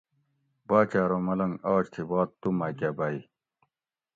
باچہ ارو ملنگ آج تھی باد تُو مکہ بئ